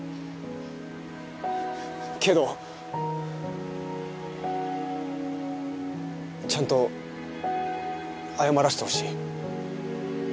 けどちゃんと謝らせてほしい。